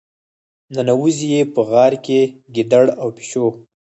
ننوزي یې په غار کې ګیدړ او پيشو.